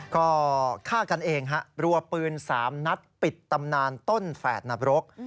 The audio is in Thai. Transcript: ก็ฆ่ากันเองฮะรัวปืน๓นัดปิดตำนานต้นแฝดนับรก